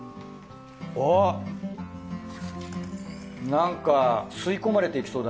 なんか吸い込まれていきそうだね